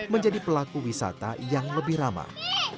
menjadi pelaku wisata yang lebih ramah